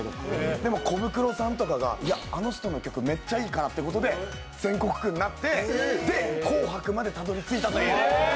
でもコブクロさんとかがあの人の曲めっちゃいいからということで全国区になって、紅白までたどり着いたという。